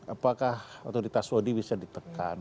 apakah otoritas saudi bisa ditekan